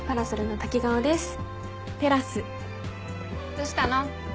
どしたの？